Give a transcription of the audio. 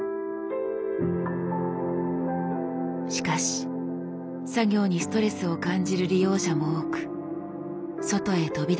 しかし作業にストレスを感じる利用者も多く外へ飛び出す人も。